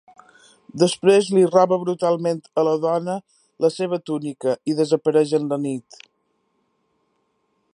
Després li roba brutalment a la dona la seva túnica i desapareix en la nit.